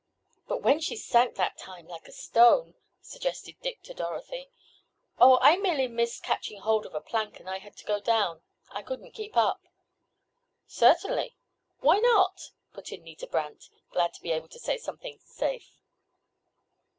"But when she sank that time—like a stone," suggested Dick to Dorothy. "Oh, I merely missed catching hold of a plank and I had to go down—I couldn't keep up." "Certainly; why not?" put in Nita Brandt, glad to be able to say something "safe."